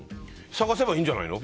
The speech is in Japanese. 探せばいいんじゃないの？